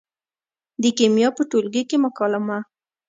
د کیمیا په ټولګي کې مکالمه